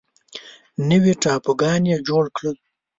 نوي ټاپوګانو یې جوړ کړل.